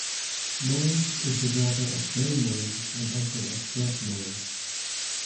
Mullins is the brother of Bill Mullins and uncle of Brett Mullins.